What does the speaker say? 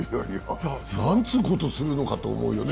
なんつーことするのかと思うよね。